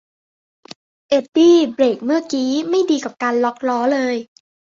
เอ็ดดี้เบรกเมื่อกี๊ไม่ดีกับการล็อคล้อเลย